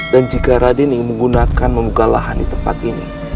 dan jika raden ingin menggunakan memuka lahan ditempat ini